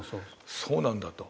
そうなんだと。